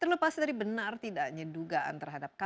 terlepas dari benar tidaknya dugaan terhadap kpk